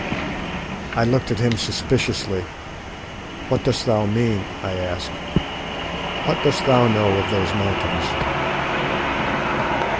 I looked at him suspiciously. "What dost thou mean?" I asked; "what dost thou know of those mountains?"